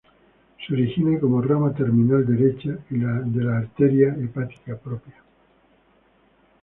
Se origina como "rama terminal derecha" de la arteria hepática propia.